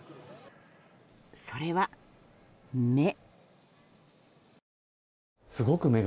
それは、目。